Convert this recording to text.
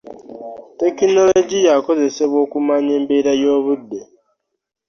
tekinologiya akozesebwa okumanya embeera y'obudde.